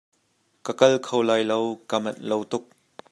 Ka kal kho lai lo ka manh lo tuk.